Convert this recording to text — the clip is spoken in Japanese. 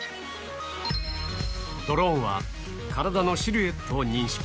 ドローンは、体のシルエットを認識。